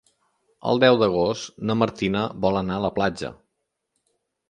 El deu d'agost na Martina vol anar a la platja.